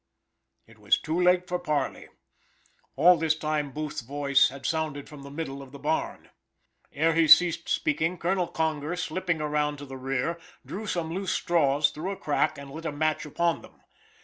It was too late for parley. All this time Booth's voice had sounded from the middle of the barn. Ere he ceased speaking, Colonel Conger, slipping around to the rear, drew some loose straws through a crack, and lit a match upon them.